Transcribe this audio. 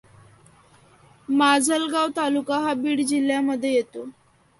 माजलगाव तालुका हा बीड जिल्ह्यामध्ये येतो.